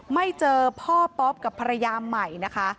ไม่เจอพ่อป๊อปกับภรรยาใหม่นะคะ